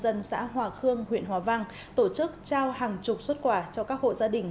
xã hòa khương huyện hòa văn tổ chức trao hàng chục xuất quả cho các hộ gia đình